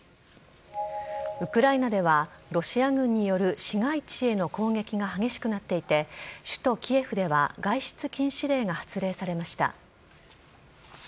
ウクライナでは、ロシア軍による市街地への攻撃が激しくなっていて、首都キエフでは、外出禁止令が発令されました。